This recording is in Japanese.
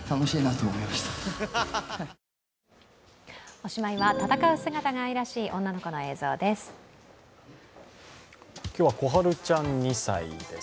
おしまいは戦う姿が愛らしい女の子の映像です。